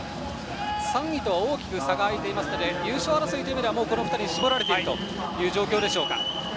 ３位とは大きく差が開いていますので優勝争いは竹田と井本に絞られている状況でしょうか。